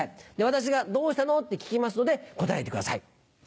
私が「どうしたの？」って聞きますので答えてください。